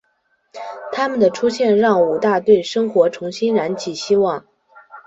她们的出现让武大对生活重新燃起希望。